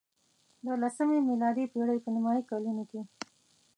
د لسمې میلادي پېړۍ په نیمايي کلونو کې.